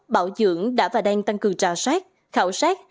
bảo dưỡng đã và đang tăng cường trả sát khảo sát